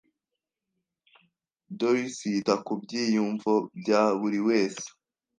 Doris yita ku byiyumvo bya buri wese.